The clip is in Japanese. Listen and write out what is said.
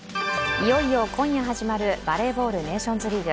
いよいよ今夜から始まるバレ―ボール・ネーションズリーグ